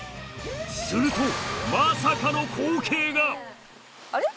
するとまさかの光景が！